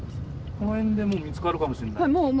この辺でもう見つかるかもしんない。